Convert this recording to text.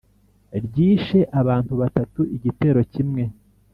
Ryishe abantu batatu igitero kimwe